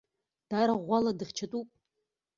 Даара ӷәӷәала дыхьчатәуп.